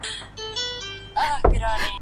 بس جنت و زندګي وه